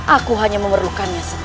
aku hanya memerlukannya setet